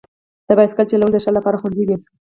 د بایسکل چلول د ښار لپاره خوندي وي.